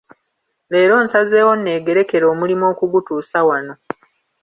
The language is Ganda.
Leero nsazeewo neegerekere omulimu okugutuusa wano.